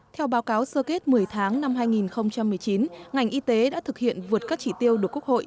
theo báo cáo sơ kết một mươi tháng năm hai nghìn một mươi chín ngành y tế đã thực hiện vượt các chỉ tiêu được quốc hội